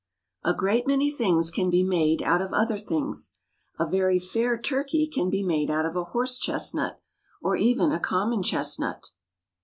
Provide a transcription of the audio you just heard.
A great many things can be made out of other things. A very fair turkey can be made out of a horse chestnut, or even a common chestnut.